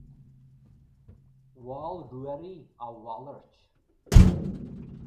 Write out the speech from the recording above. Mhol Ruaidhrí a mhalairt.